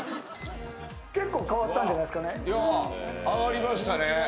結構変わったんじゃないですかね。